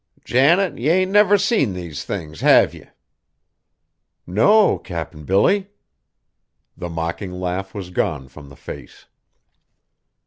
"Janet, ye ain't never seen these things, have ye?" "No, Cap'n Billy." The mocking laugh was gone from the face.